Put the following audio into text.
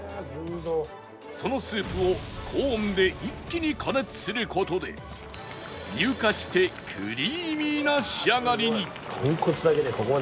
そのスープを高温で一気に加熱する事で乳化してクリーミーな仕上がりに